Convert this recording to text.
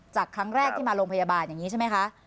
จากครั้งแรกที่มาโรงพยาบาลอย่างนี้ใช่ไหมคะ